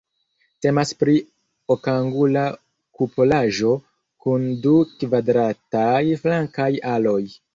Temas pri okangula kupolaĵo kun du kvadrataj flankaj aloj.